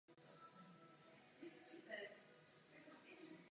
Je matkou tří dětí.